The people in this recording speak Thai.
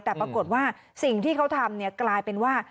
แต่ปรากฏว่าสิ่งที่เขาทำกลายเป็นว่า